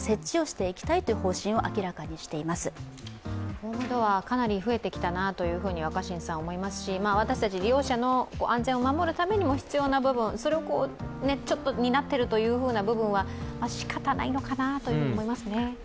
ホームドア、かなり増えてきたなと思いますし、私たち利用者の安全を守るためにも必要な部分、それをちょっと担っている部分はしかたないのかなと思いますね。